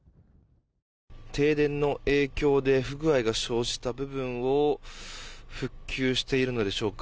停電の影響で不具合が生じた部分を復旧しているのでしょうか。